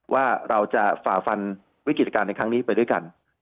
ว่าเราจะฝ่าฟันวิกฤตการณ์ในครั้งนี้ไปด้วยกัน